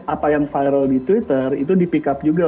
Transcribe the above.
apa yang viral di twitter itu dipikap juga